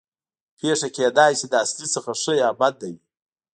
پېښه کېدای شي له اصلي څخه ښه یا بده وي